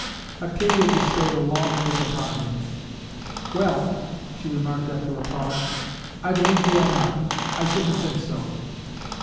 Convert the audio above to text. Octavia bestowed a long look upon him. "Well," she remarked, after a pause, "I believe you are not. I shouldn't think so."